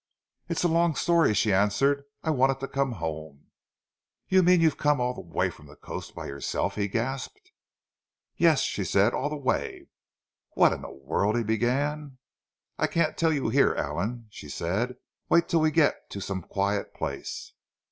"It's a long story," she answered. "I wanted to come home."; "You mean you've come all the way from the coast by yourself!" he gasped. "Yes," she said, "all the way." "What in the world—" he began. "I can't tell you here, Allan," she said. "Wait till we get to some quiet place."